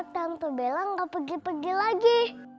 tante bella gak pergi pergi lagi